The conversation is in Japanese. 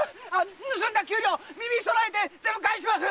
盗んだ九両耳を揃えて全部返します。